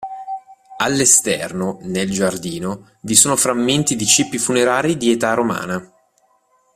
All'esterno, nel giardino, vi sono frammenti di cippi funerari di età romana.